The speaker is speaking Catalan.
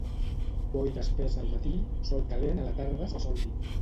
Boira espessa al matí, sol calent a la tarda se sol dir.